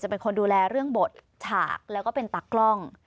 เป็นคนดูแลเรื่องบทฉากแล้วก็เป็นตากล้อง